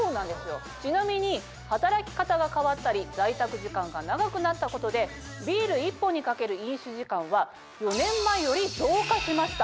ちなみに働き方が変わったり在宅時間が長くなったことでビール１本にかける飲酒時間は４年前より増加しました。